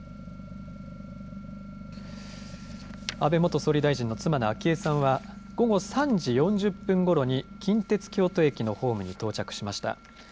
安倍元総理大臣の妻の昭恵さんは、午後３時４０分ごろに近鉄京都駅のホームに到着しました。